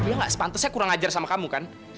dia gak sepantesnya kurang ajar sama kamu kan